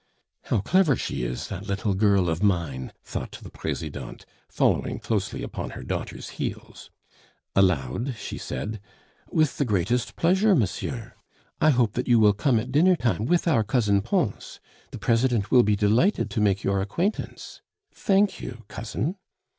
"How clever she is, that 'little girl' of mine!" thought the Presidente, following closely upon her daughter's heels. Aloud she said, "With the greatest pleasure, monsieur. I hope that you will come at dinner time with our Cousin Pons. The President will be delighted to make your acquaintance. Thank you, cousin."